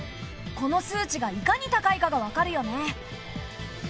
この数値がいかに高いかがわかるよね。